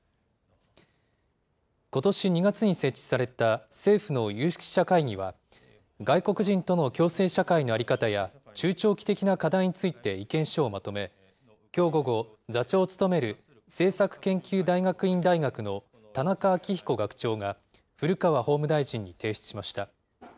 ことし２月に設置された政府の有識者会議は、外国人との共生社会の在り方や、中長期的な課題について意見書をまとめ、きょう午後、座長を務める政策研究大学院大学の田中明彦学長が、古川法務大臣に提出しました。